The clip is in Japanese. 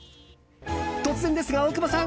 突然ですが、大久保さん！